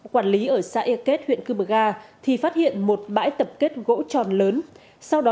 quản lý ở xã er kết huyện cư mực a thì phát hiện một bãi tập kết gỗ tròn lớn sau đó